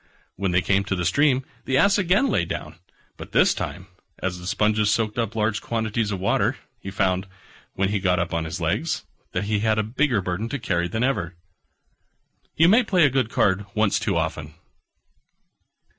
When they came to the stream the Ass again lay down: but this time, as the sponges soaked up large quantities of water, he found, when he got up on his legs, that he had a bigger burden to carry than ever. You may play a good card once too often.